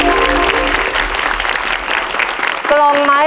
ภายในเวลา๓นาที